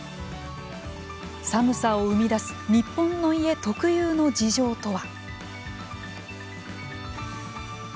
寒さを生み出す日本の家特有の事情とは。